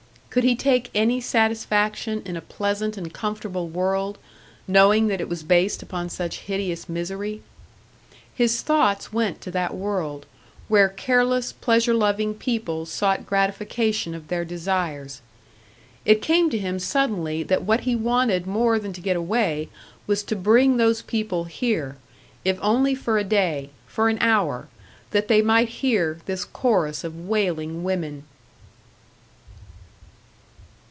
Could he take any satisfaction in a pleasant and comfortable world, knowing that it was based upon such hideous misery? His thoughts went to that world, where careless, pleasure loving people sought gratification of their desires. It came to him suddenly that what he wanted more than to get away was to bring those people here, if only for a day, for an hour, that they might hear this chorus of wailing women!